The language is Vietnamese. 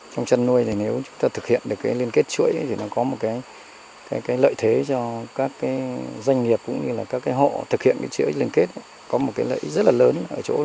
trong chăn nuôi nếu chúng ta thực hiện được liên kết chuỗi thì nó có một lợi thế cho các doanh nghiệp cũng như các hộ thực hiện chuỗi liên kết có một lợi thế rất là lớn